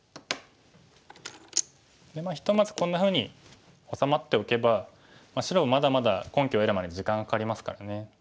ひとまずこんなふうに治まっておけば白もまだまだ根拠を得るまでに時間がかかりますからね。